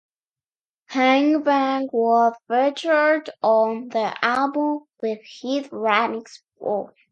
Hagberg was featured on the album with his remix of the song "Power".